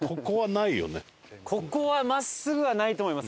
ここは真っすぐはないと思います。